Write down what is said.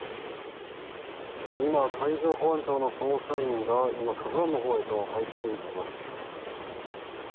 今、海上保安庁の捜査員が「ＫＡＺＵ１」のほうへと入っていきます。